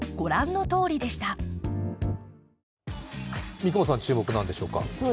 三雲さん、注目は何でしょうか。